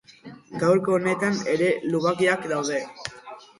Gaurko honetan ere lubakiak daude.